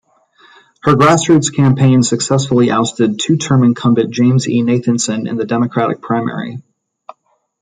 Her grassroots campaign successfully ousted two-term incumbent James E. Nathanson in the Democratic primary.